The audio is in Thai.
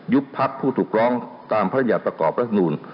ยุบพักผู้ถูกร้องตามพระญาติประกอบรัฐนุน